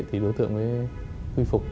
thì đối tượng mới quy phục